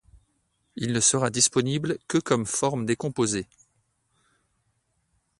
Il ne sera disponible que comme forme décomposée.